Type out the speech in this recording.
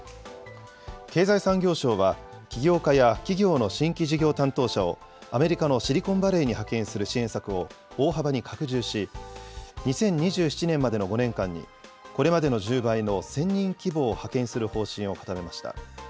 経済産業省は、起業家や企業の新規事業担当者をアメリカのシリコンバレーに派遣する支援策を大幅に拡充し、２０２７年までの５年間に、これまでの１０倍の１０００人規模を派遣する方針を固めました。